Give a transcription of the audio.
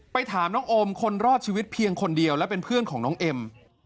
ถามน้องโอมคนรอดชีวิตเพียงคนเดียวและเป็นเพื่อนของน้องเอ็ม